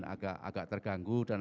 agak terganggu dan